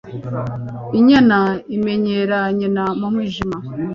inyana imenyera nyina mu mwijima